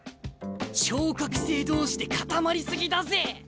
昇格生同士で固まり過ぎだぜ！